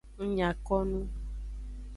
Ng nya ko nu.